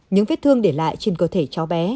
những vết thương để lại trên cơ thể cháu bé